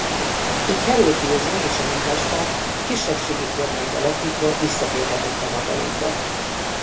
Így Harold Wilson és a Munkáspárt kisebbségi kormányt alakítva visszatérhetett a hatalomba.